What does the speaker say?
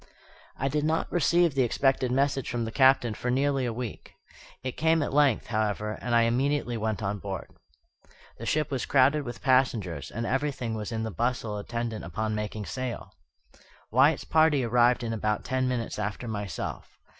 I did not receive the expected message from the Captain for nearly a week. It came at length, however, and I immediately went on board. The ship was crowded with passengers, and everything was in the bustle attendant upon making sail. Wyatt's party arrived in about ten minutes after myself.